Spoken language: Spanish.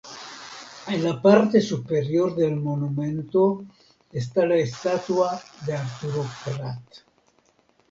En la parte superior del monumento está la estatua de Arturo Prat.